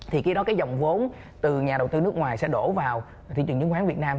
thì khi đó cái dòng vốn từ nhà đầu tư nước ngoài sẽ đổ vào thị trường chứng khoán việt nam